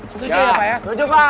setuju ya pak ya